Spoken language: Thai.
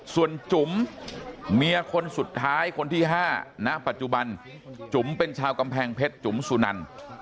ส่วนจุ๋มเมียคนสุดท้ายคนที่๕ณปัจจุบันจุ๋มเป็นชาวกำแพงเพชรจุ๋มสุนัน